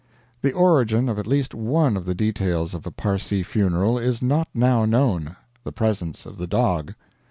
The origin of at least one of the details of a Parsee funeral is not now known the presence of the dog.